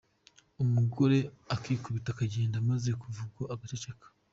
Umugore akikubita akagenda maze kuva ubwo agaceceka.